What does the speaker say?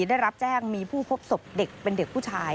ได้รับแจ้งมีผู้พบศพเด็กเป็นเด็กผู้ชาย